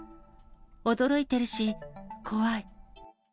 驚いてるし、怖い。